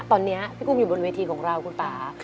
ตอนนี้พี่กุ้มอยู่บนเวทีของเราคุณป่า